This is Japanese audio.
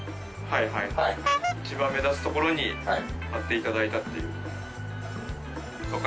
いちばん目立つところに貼っていただいたっていう。